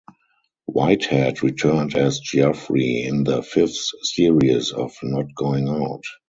Whitehead returned as Geoffrey in the fifth series of "Not Going Out".